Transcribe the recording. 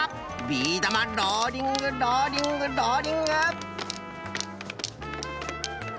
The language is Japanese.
ビー玉ローリングローリングローリング。